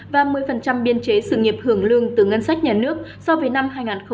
và một mươi biên chế sự nghiệp hưởng lương từ ngân sách nhà nước so với năm hai nghìn một mươi tám